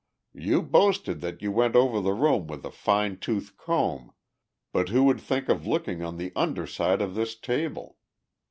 You boasted that you went over the room with a fine tooth comb, but who would think of looking on the under side of this table.